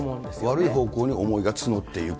悪い方向に思いが募っていく？